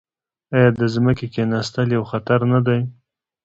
آیا د ځمکې کیناستل یو خطر نه دی؟